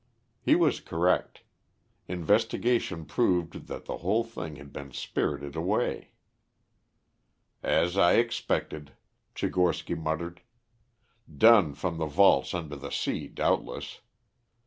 He was correct. Investigation proved that the whole thing had been spirited away. "As I expected," Tchigorsky muttered. "Done from the vaults under the sea, doubtless.